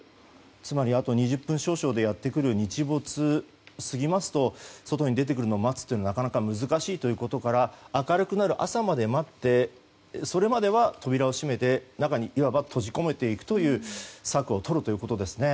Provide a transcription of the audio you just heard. つまり、あと２０分少々でやってくる日没を過ぎますと外に出てくるのを待つのはなかなか難しいということから明るくなる朝まで待ってそれまでは扉を閉めて中にいわば閉じ込めていくという策をとるということですね。